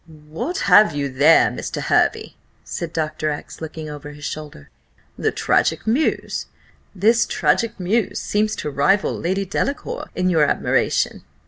"What have you there, Mr. Hervey?" said Dr. X , looking over his shoulder "the tragic muse? This tragic muse seems to rival Lady Delacour in your admiration."